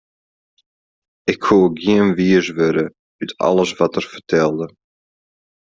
Ik koe gjin wiis wurde út alles wat er fertelde.